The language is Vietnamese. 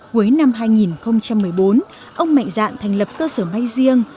cuối năm hai nghìn một mươi bốn ông mạnh dạn thành lập cơ sở may riêng